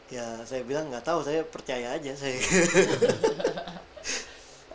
ya saya bilang gak tau saya percaya aja